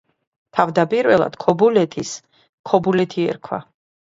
თავდაპირველად ქობულეთის „ქობულეთი“ ერქვა.